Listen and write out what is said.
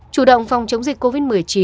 chủ động phòng chống dịch covid một mươi chín